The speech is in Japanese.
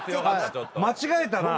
間違えたな。